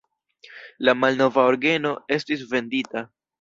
La malnova orgeno estis vendita.